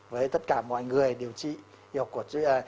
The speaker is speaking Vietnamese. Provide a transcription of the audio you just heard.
với tất cả mọi người điều trị y học cổ truyền